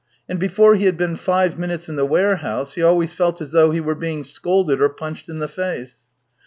And before he had been five minutes in the warehouse, he always felt as though he were being scolded or punched in the face.